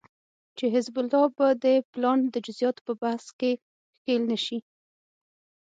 چې حزب الله به د پلان د جزياتو په بحث کې ښکېل نشي